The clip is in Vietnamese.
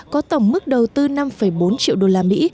có tổng mức đầu tư năm bốn triệu đô la mỹ